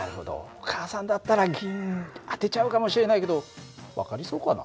お母さんだったら銀当てちゃうかもしれないけど分かりそうかな？